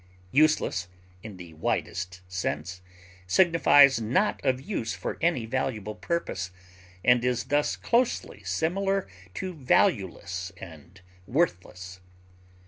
Useless, in the widest sense, signifies not of use for any valuable purpose, and is thus closely similar to valueless and worthless.